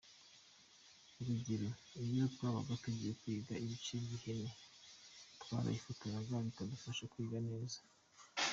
Urugero, iyo twabaga tugiye kwiga ibice by’ihene twarayifotoraga bikadufasha kwiga neza”.